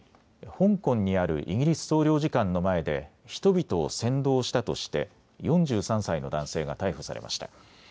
香港にあるイギリス総領事館の前で人々を扇動したとして４３歳の男性が逮捕されました。